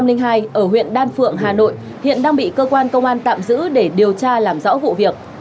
sinh năm hai nghìn hai ở huyện đan phượng hà nội hiện đang bị cơ quan công an tạm giữ để điều tra làm rõ vụ việc